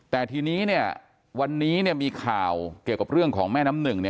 แต่ทีนี้เนี่ยวันนี้เนี่ยมีข่าวเกี่ยวกับเรื่องของแม่น้ำหนึ่งเนี่ย